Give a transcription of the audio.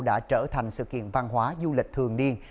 đã trở thành sự kiện văn hóa du lịch thường niên